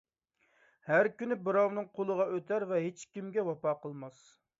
ھەر كۈنى بىراۋنىڭ قولىغا ئۆتەر ۋە ھېچكىمگە ۋاپا قىلماس.